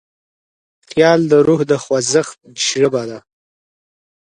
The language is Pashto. خیال د روح د خوځښت ژبه ده.